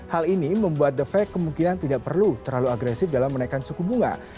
hal ini membuat the fed kemungkinan tidak perlu terlalu agresif dalam menaikkan suku bunga